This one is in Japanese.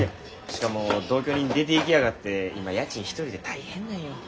しかも同居人出ていきやがって今家賃１人で大変なんよ。